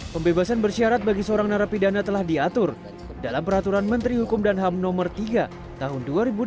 pembebasan bersyarat bagi seorang narapidana telah diatur dalam peraturan menteri hukum dan ham nomor tiga tahun dua ribu dua puluh